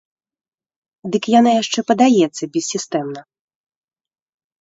Дык яна яшчэ падаецца бессістэмна.